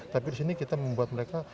tapi di sini kita membuat mereka